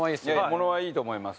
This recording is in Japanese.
ものはいいと思います。